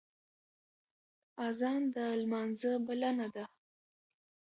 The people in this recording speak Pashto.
اذان د لمانځه بلنه ده